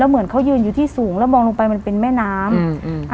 เหมือนเขายืนอยู่ที่สูงแล้วมองลงไปมันเป็นแม่น้ำอืม